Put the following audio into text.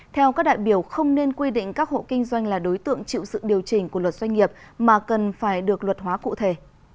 theo các đại biểu không nên quy định các hộ kinh doanh là đối tượng chịu sự điều chỉnh của luật doanh nghiệp mà cần phải được luật hóa cụ thể